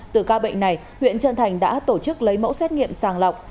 từ ca bệnh này huyện trân thành đã tổ chức lấy mẫu xét nghiệm sàng lọc